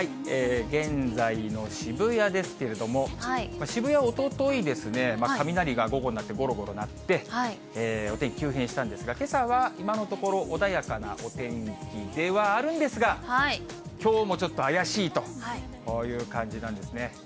現在の渋谷ですけれども、渋谷、おとといですね、雷が午後鳴って、ごろごろと鳴って、お天気、急変したんですが、けさは今のところ、穏やかなお天気ではあるんですが、きょうもちょっと怪しいという感じなんですね。